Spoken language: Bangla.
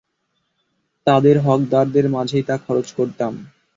তাদের হকদারদের মাঝেই তা খরচ করতাম।